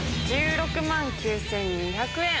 １６万９２００円。